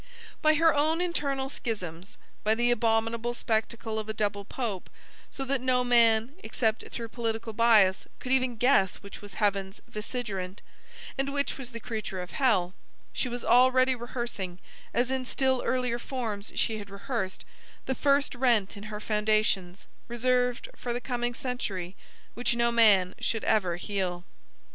By her own internal schisms, by the abominable spectacle of a double Pope so that no man, except through political bias, could even guess which was Heaven's vicegerent, and which the creature of hell she was already rehearsing, as in still earlier forms she had rehearsed, the first rent in her foundations (reserved for the coming century) which no man should ever heal.